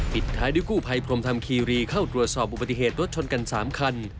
ท้ายด้วยกู้ภัยพรมธรรมคีรีเข้าตรวจสอบอุบัติเหตุรถชนกัน๓คัน